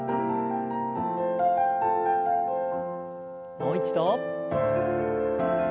もう一度。